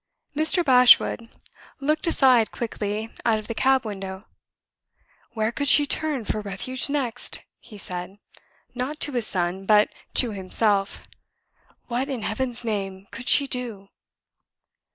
Mr. Bashwood looked aside quickly out of the cab window. "Where could she turn for refuge next?" he said, not to his son, but to himself. "What, in Heaven's name, could she do?"